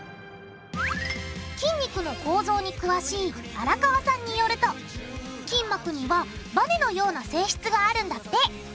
筋肉の構造に詳しい荒川さんによると筋膜にはバネのような性質があるんだって。